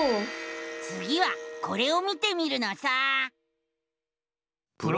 つぎはこれを見てみるのさ！